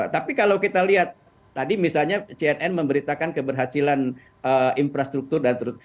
tapi kalau kita lihat tadi misalnya cnn memberitakan keberhasilan infrastruktur dan seterusnya